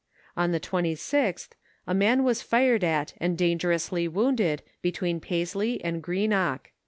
On the 26th, a man was fired at and dangerously wounded, between Paisley and Greenock.